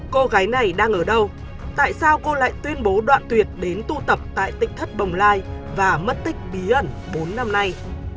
cô gái này đang ở đâu tại sao cô lại tuyên bố đoạn tuyệt đến tụ tập tại tỉnh thất bồng lai và mất tích bí ẩn bốn năm nay